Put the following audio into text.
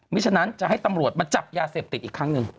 ฉะนั้นจะให้ตำรวจมาจับยาเสพติดอีกครั้งหนึ่ง